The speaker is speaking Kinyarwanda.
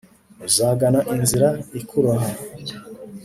uzagana inzira ikuroha